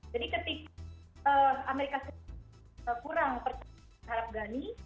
jadi ketika amerika serikat kurang persis menghadap ghani